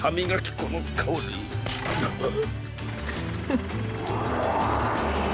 フッ。